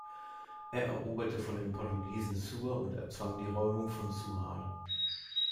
Er eroberte von den Portugiesen Sur und erzwang die Räumung von Suhar.